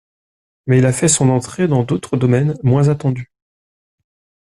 Mais il a fait son entrée dans d’autres domaines moins attendus.